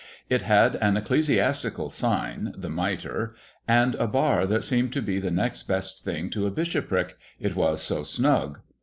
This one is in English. It had an ecclesiastical sign, — the Mitre, — and a bar that seemed to be the next best thing to a bishopric, it was so snug.